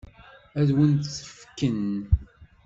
Ad wen-tt-fken?